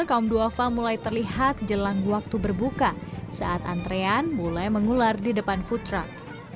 kaum duafa mulai terlihat jelang waktu berbuka saat antrean mulai mengular di depan food truck